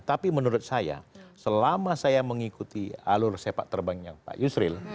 tapi menurut saya selama saya mengikuti alur sepak terbangnya pak yusril